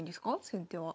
先手は。